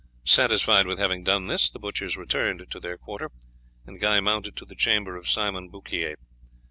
Satisfied with having done this the butchers returned to their quarter, and Guy mounted to the chamber of Simon Bouclier.